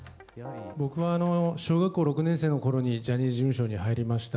僕は小学校６年生のころにジャニーズ事務所に入りました。